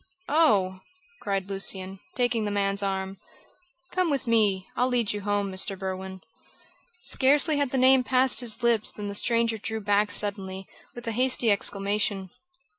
"Oh!" cried Lucian, taking the man's arm. "Come with me. I'll lead you home, Mr. Berwin." Scarcely had the name passed his lips than the stranger drew back suddenly, with a hasty exclamation.